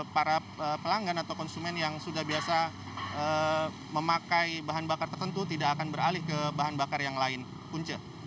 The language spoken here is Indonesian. para pelanggan atau konsumen yang sudah biasa memakai bahan bakar tertentu tidak akan beralih ke bahan bakar yang lain punca